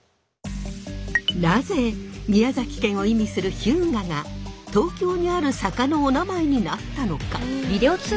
なぜ宮崎県を意味する日向が東京にある坂のおなまえになったのか？